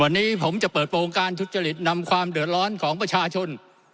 วันนี้ผมจะเปิดโปรงการทุจริตนำความเดือดร้อนของประชาชน